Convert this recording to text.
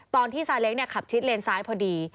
ตอนที่ซาเล้งเนี่ยขับชิมเลนซาไว้พอดี